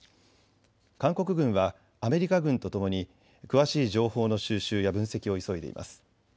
韓国軍はアメリカ軍とともに詳しい情報の収集や分析を急いでいます。